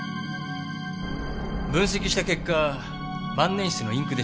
分析した結果万年筆のインクでした。